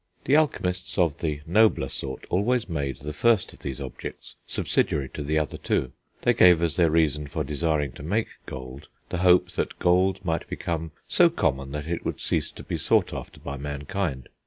The alchemists of the nobler sort always made the first of these objects subsidiary to the other two; they gave as their reason for desiring to make gold, the hope that gold might become so common that it would cease to be sought after by mankind.